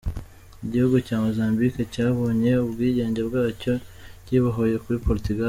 Igihugu cya Mozambique cyabonye ubwigenge bwacyo, kibohoye kuri Portugal.